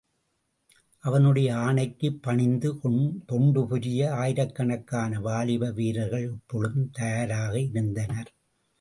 அவனுடைய ஆணைக்குப் பணிந்து தொண்டு புரிய ஆயிரக்கணக்கான வாலிப வீரர்கள் எப்பொழுதும் தயாராயிருந்தனர்.